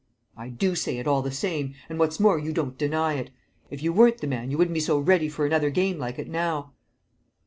"I do say it, all the same; and what's more you don't deny it. If you weren't the man you wouldn't be so ready for another game like it now."